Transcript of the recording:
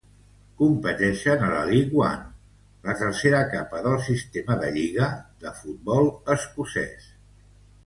Competeixen a la League One, la tercera capa del sistema de lliga de futbol escocès.